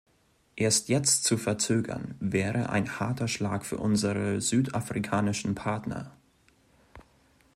Es jetzt zu verzögern, wäre ein harter Schlag für unsere südafrikanischen Partner.